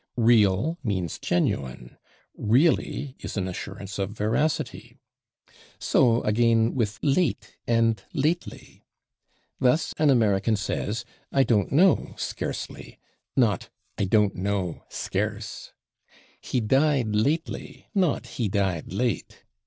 /Real/ means genuine; /really/ is an assurance of veracity. So, again, with /late/ and /lately/. Thus, an American says "I don't know, /scarcely/," not "I don't know, /scarce/"; "he died /lately/," not "he died /late